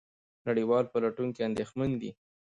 نړیوال پلټونکي اندېښمن دي.